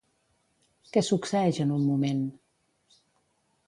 Què succeeix en un moment?